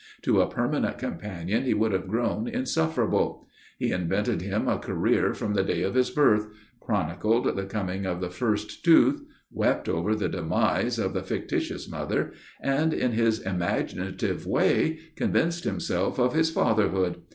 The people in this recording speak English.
To a permanent companion he would have grown insufferable. He invented him a career from the day of his birth, chronicled the coming of the first tooth, wept over the demise of the fictitious mother, and, in his imaginative way, convinced himself of his fatherhood.